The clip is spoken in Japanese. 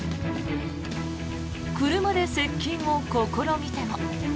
車で接近を試みても。